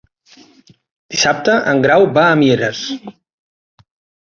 Dissabte en Grau va a Mieres.